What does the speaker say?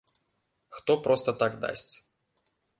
Хто проста так дасць.